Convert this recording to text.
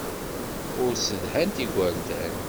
Ur ssedhant igerdan.